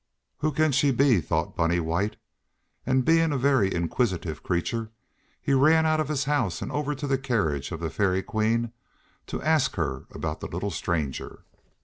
"Who can she be?" thought Bunny White, and, being a very inquisitive creature, he ran out of his house and over to the carriage of the Fairy Queen to ask her about the little stranger.